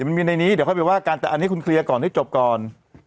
มันมีในนี้เดี๋ยวค่อยไปว่ากันแต่อันนี้คุณเคลียร์ก่อนให้จบก่อน